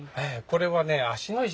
これはね